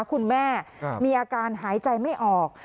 คุณแม่มีอาการหายใจไม่ออก